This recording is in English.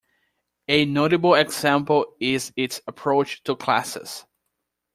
A notable example is its approach to classes.